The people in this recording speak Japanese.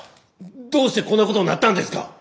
どうしてこんなことになったんですか！